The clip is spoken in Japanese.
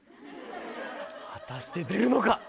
果たして出るのか。